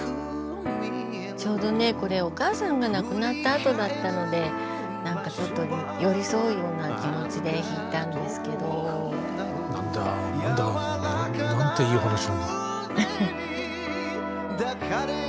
ちょうどねこれお母さんが亡くなったあとだったので寄り添うような気持ちで弾いたんですけど。なんていい話なんだ。